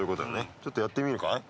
ちょっとやってみるかい？